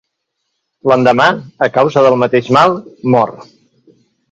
L'endemà, a causa del mateix mal, mor.